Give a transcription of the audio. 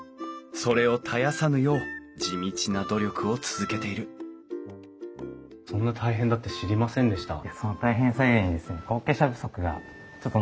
それを絶やさぬよう地道な努力を続けているそんな大変だって知りませんでした。